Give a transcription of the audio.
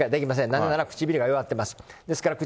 なぜなら、唇が弱っています。